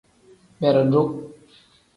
Beredu.